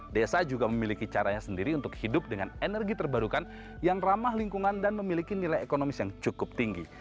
desa juga memiliki caranya sendiri untuk hidup dengan energi terbarukan yang ramah lingkungan dan memiliki nilai ekonomis yang cukup tinggi